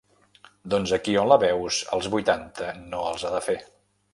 Doncs aquí on la veus els vuitanta no els ha de fer.